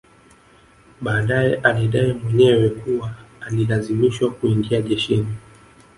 Baadae alidai mwenyewe kuwa alilazimishwa kuingia jeshini